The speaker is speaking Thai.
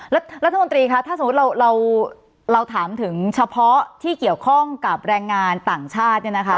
รัฐมนตรีคะถ้าสมมุติเราถามถึงเฉพาะที่เกี่ยวข้องกับแรงงานต่างชาติเนี่ยนะคะ